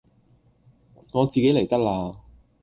我自己嚟得喇